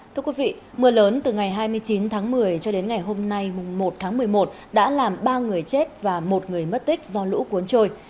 thưa quý vị mưa lớn từ ngày hai mươi chín tháng một mươi cho đến ngày hôm nay một tháng một mươi một đã làm ba người chết và một người mất tích do lũ cuốn trôi